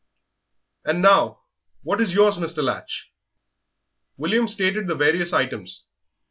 "And, now, what is yours, Mr. Latch?" William stated the various items.